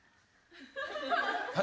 はい？